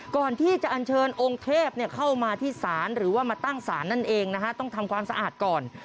ก่อนที่จะอันเชิญองค์เทพเข้ามาที่ศาลหรือว่ามาตั้งศาลนั่นเองนะฮะต้องทำความสะอาดก่อน